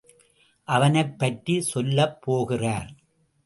அவனைப் பற்றிச் சொல்லப் போகிறார்.